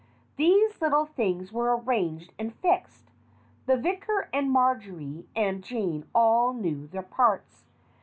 These little things were arranged and fixed. The vicar and Marjory and Jane all knew their parts.